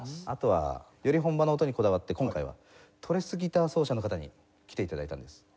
あとはより本場の音にこだわって今回はトレスギター奏者の方に来て頂いたんです。